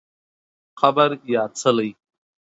قبر یا څلی